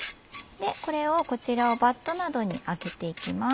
こちらをバットなどにあけていきます。